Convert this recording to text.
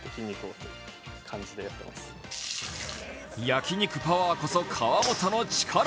焼き肉パワーこそ、河本の力。